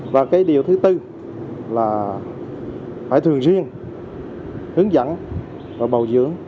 và cái điều thứ tư là phải thường xuyên hướng dẫn và bầu dưỡng